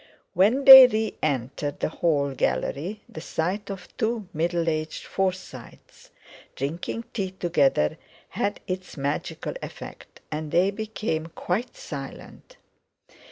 When they re entered the hall gallery the sight of two middle aged Forsytes drinking tea together had its magical effect, and they became quite silent.